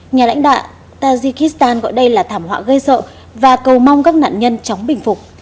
nhà lãnh đạo tajikistan gọi đây là thảm họa gây sợ và cầu mong các nạn nhân chóng bình phục